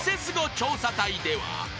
調査隊では］